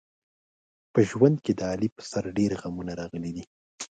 په ژوند کې د علي په سر ډېر غمونه راغلي دي.